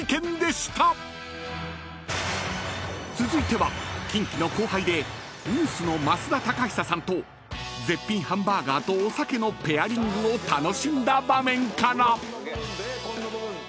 ［続いてはキンキの後輩でＮＥＷＳの増田貴久さんと絶品ハンバーガーとお酒のペアリングを楽しんだ場面から］